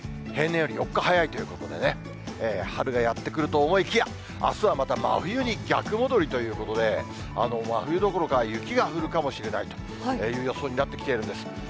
平年より４日早いということでね、春がやって来ると思いきや、あすはまた真冬に逆戻りということで、真冬どころか、雪が降るかもしれないという予想になってきているんです。